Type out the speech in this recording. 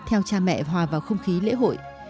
theo cha mẹ hòa vào không khí lễ hội